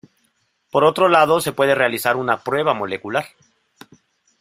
Por otro lado, se puede realizar una prueba molecular.